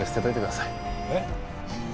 えっ？